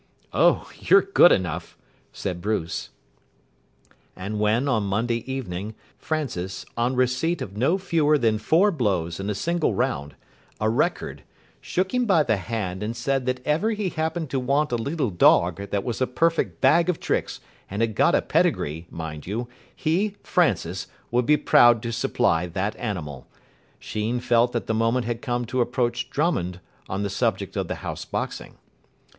"Oh, you're good enough," said Bruce. And when, on Monday evening, Francis, on receipt of no fewer than four blows in a single round a record, shook him by the hand and said that if ever he happened to want a leetle darg that was a perfect bag of tricks and had got a pedigree, mind you, he, Francis, would be proud to supply that animal, Sheen felt that the moment had come to approach Drummond on the subject of the house boxing.